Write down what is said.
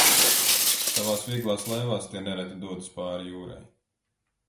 Savās vieglās laivās tie nereti dodas pāri jūrai.